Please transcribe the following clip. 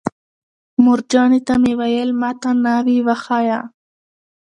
مورجانې ته مې ویل: ما ته ناوې وښایه.